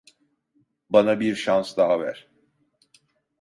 Bana bir şans daha ver.